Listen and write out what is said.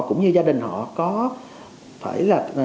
cũng như gia đình họ có phải là